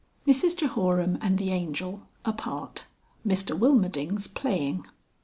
Mrs Jehoram and the Angel (apart) Mr Wilmerdings playing.